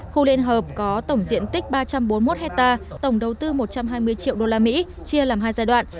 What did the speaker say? khu liên hợp có tổng diện tích ba trăm bốn mươi một hectare tổng đầu tư một trăm hai mươi triệu usd chia làm hai giai đoạn